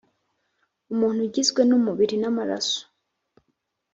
Umuntu ugizwe n’umubiri n’amaraso,